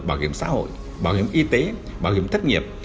bảo hiểm xã hội bảo hiểm y tế bảo hiểm thất nghiệp